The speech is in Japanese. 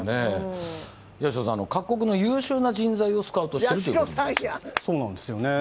八代さん各国の優秀な人材をスカウトしてるということなんですそうなんですよね